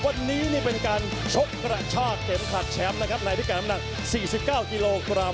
วันนี้นี่เป็นการชกกระชากเข็มขัดแชมป์นะครับในพิการน้ำหนัก๔๙กิโลกรัม